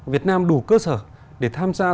việt nam đủ cơ sở để tham gia